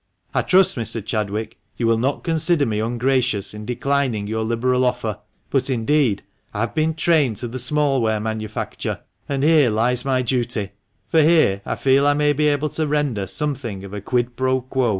I trust, Mr. Chadwick, you will not consider me ungracious in declining your liberal offer, but, indeed, I have been trained to the smallware manufacture, and here lies my duty, for here I feel I may be able to render something of a quid pro quo?